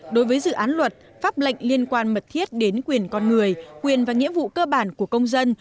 đối với dự án luật pháp lệnh liên quan mật thiết đến quyền con người quyền và nghĩa vụ cơ bản của công dân